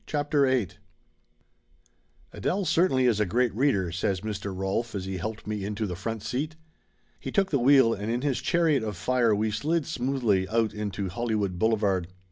CHAPTER VIII " A DELE certainly is a great readef !" says Mr. Rolf as he helped me into the front seat. He took the wheel and in this chariot of fire we slid smoothly out into Hollywood Boulevard.